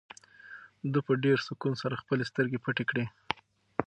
ده په ډېر سکون سره خپلې سترګې پټې کړې.